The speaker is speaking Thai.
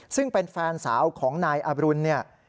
ซึ่งเป็นแฟนสาวของนายอรุณเนี่ย